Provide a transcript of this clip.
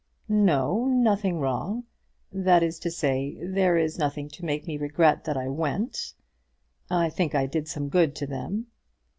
"No, nothing wrong; that is to say, there is nothing to make me regret that I went. I think I did some good to them."